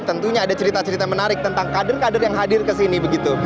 tentunya ada cerita cerita menarik tentang kader kader yang hadir ke sini begitu